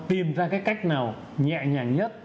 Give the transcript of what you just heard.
tìm ra cái cách nào nhẹ nhàng nhất